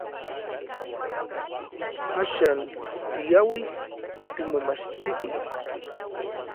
Axan tiauij timomachtitij.